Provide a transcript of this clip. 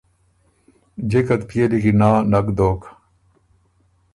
جِکه ت پئے لیکی نا نک دوک۔